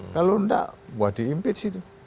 kalau tidak wah diimpit sih itu